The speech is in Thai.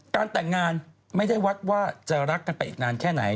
แต่งงานไม่ได้วัดว่าจะรักกันไปอีกนานแค่ไหน